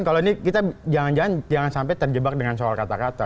kalau ini kita jangan sampai terjebak dengan soal kata kata